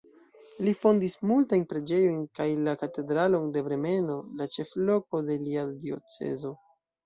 Li fondis multajn preĝejojn kaj la katedralon de Bremeno, la ĉefloko de lia diocezo.